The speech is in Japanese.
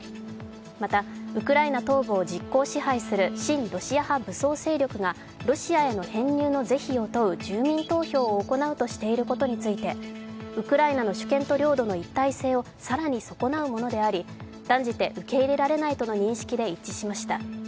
また、ウクライナ東部を実効支配する親ロシア派武装勢力がロシアへの編入の是非を問う住民投票を行うとしていることについて、ウクライナの主権と領土の一体性を更に損なうものであり断じて受け入れられないとの認識で一致しました。